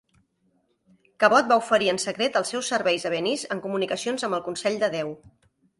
Cabot va oferir en secret els seus serveis a Venice en comunicacions amb el Consell de Deu.